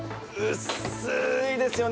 薄いですよね。